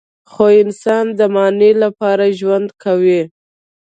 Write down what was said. خو انسان د معنی لپاره ژوند کوي.